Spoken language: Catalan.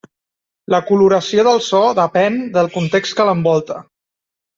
La coloració del so depèn del context que l'envolta.